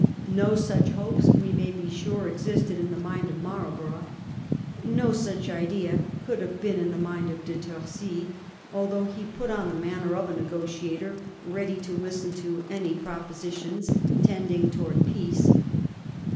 No such hopes, we may be sure, existed in the mind of Marlborough; no such idea could have been in the mind of De Torcy, although he put on the manner of a negotiator ready to listen to any propositions tending towards peace.